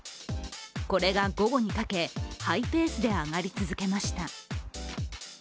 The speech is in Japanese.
これが午後にかけ、ハイペースで上がり続けました。